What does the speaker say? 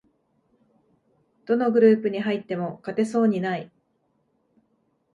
どのグループに入っても勝てそうにない